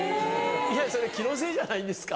それ気のせいじゃないですか？